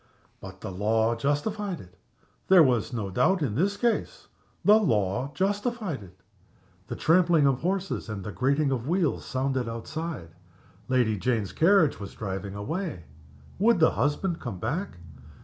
But the law justified it. There was no doubt in this case. The law justified it. The trampling of horses and the grating of wheels sounded outside. Lady Jane's carriage was driving away. Would the husband come back?